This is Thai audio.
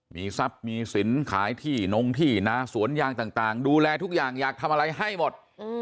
มีทรัพย์มีสินขายที่นงที่นาสวนยางต่างดูแลทุกอย่างอยากทำอะไรให้หมด